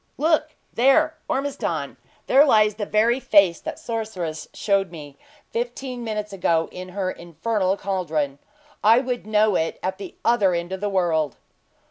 "Look there, Ormiston! There lies the very face that sorceress showed me, fifteen minutes ago, in her infernal caldron! I would know it at the other end of the world!"